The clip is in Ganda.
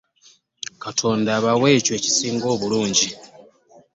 Katonda abawe ekyo ekisinga obulungi.